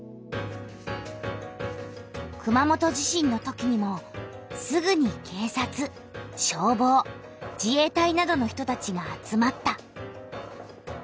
熊本地震のときにもすぐに警察消防自衛隊などの人たちが集まった。